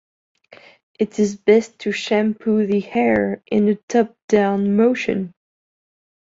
It is best to shampoo the hair in a top down motion.